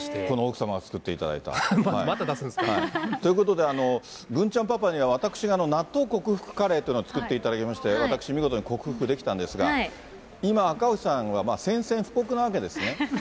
この奥様が作っていただいた？ということで、郡ちゃんパパには私が納豆克服カレーというのを作っていただきまして、私、見事に克服できたんですが、今、赤星さんが宣戦布告なわけですね。